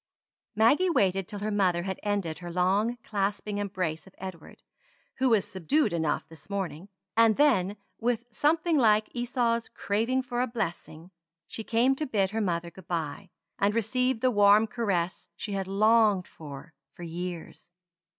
Maggie waited till her mother had ended her long clasping embrace of Edward, who was subdued enough this morning; and then, with something like Esau's craving for a blessing, she came to bid her mother good bye, and received the warm caress she had longed for for years.